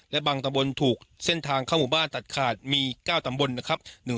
และบางตำบลถูกเส้นทางเข้าหมู่บ้านตัดขาดมี๙ตำบลนะครับ